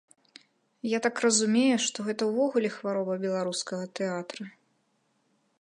Я так разумею, што гэта ўвогуле хвароба беларускага тэатра?